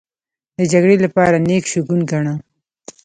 د جګړې لپاره نېک شګون گاڼه.